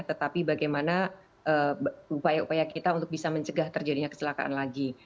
tetapi bagaimana upaya upaya kita untuk bisa mencegah terjadinya kecelakaan lagi